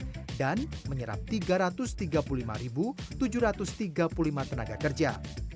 menyerap tiga ratus tiga puluh lima tujuh ratus tiga puluh lima tenaga kerja